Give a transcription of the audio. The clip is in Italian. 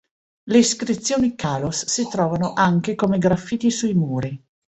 Le iscrizioni kalos si trovano anche come graffiti sui muri.